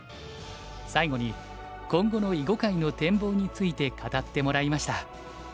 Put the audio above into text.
最後に今後の囲碁界の展望について語ってもらいました。